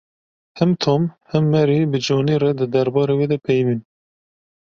Him Tom him Mary bi Johnî re di derbarê wê de peyivîn.